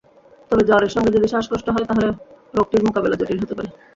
তবে জ্বরের সঙ্গে যদি শ্বাসকষ্ট হয়, তাহলে রোগটির মোকাবিলা জটিল হতে পারে।